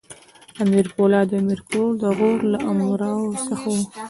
امیر پولاد او امیر کروړ د غور له امراوو څخه وو.